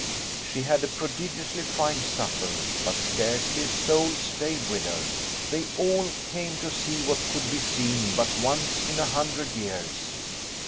She had a prodigiously fine supper, but scarcely a soul stayed with her; they all came to see what could be seen but once in a hundred years.